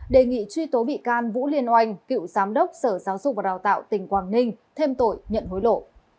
đề nghị truy tố bị can vũ liên oanh cựu giám đốc sở giáo dục và đào tạo tỉnh quảng ninh thêm tội nhận hối lộ